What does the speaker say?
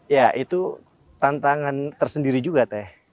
ya itu tantangan tersendiri juga teh